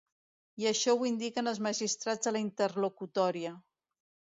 I així ho indiquen els magistrats en la interlocutòria.